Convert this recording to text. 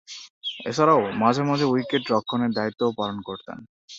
এছাড়াও, মাঝে-মধ্যে উইকেট-রক্ষণেরও দায়িত্ব পালন করতেন।